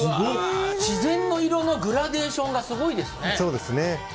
自然の色のグラデーションがすごいですね。